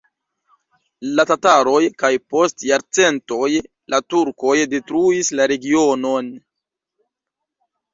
La tataroj kaj post jarcentoj la turkoj detruis la regionon.